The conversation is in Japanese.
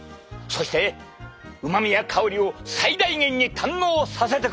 そしてうまみや香りを最大限に堪能させてくれる。